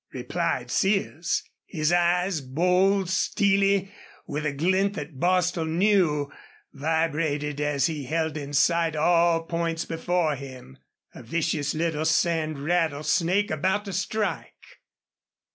replied Sears. His eyes, bold, steely, with a glint that Bostil knew, vibrated as he held in sight all points before him. A vicious little sand rattlesnake about to strike!